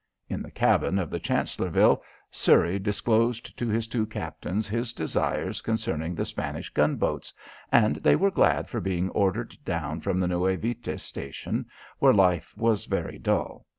In the cabin of the Chancellorville, Surrey disclosed to his two captains his desires concerning the Spanish gunboats and they were glad for being ordered down from the Nuevitas station where life was very dull.